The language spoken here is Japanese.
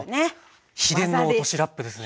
秘伝の落としラップですね。